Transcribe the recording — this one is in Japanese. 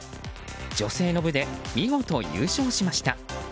女性の部で見事優勝しました。